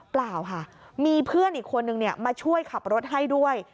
เปล่าค่ะมีเพื่อนอีกคนนึงมาช่วยขับรถให้ด้วย